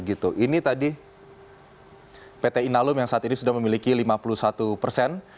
ini tadi pt inalum yang saat ini sudah memiliki lima puluh satu persen